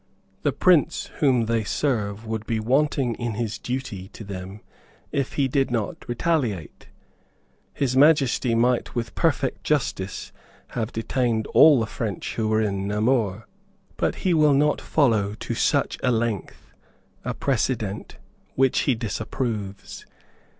The Prince whom they serve would be wanting in his duty to them if he did not retaliate. His Majesty might with perfect justice have detained all the French who were in Namur. But he will not follow to such a length a precedent which he disapproves.